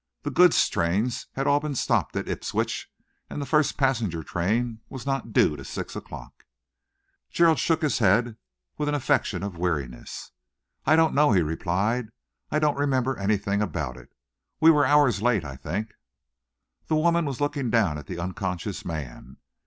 The goods trains had all been stopped at Ipswich, and the first passenger train was not due till six o'clock." Gerald shook his head with an affectation of weariness. "I don't know," he replied. "I don't remember anything about it. We were hours late, I think." The woman was looking down at the unconscious man.